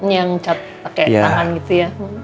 yang cat pakai tangan gitu ya